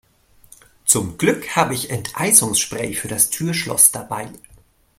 Zum Glück habe ich Enteisungsspray für das Türschloss dabei.